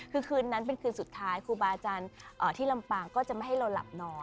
คือคืนนั้นเป็นคืนสุดท้ายครูบาอาจารย์ที่ลำปางก็จะไม่ให้เราหลับนอน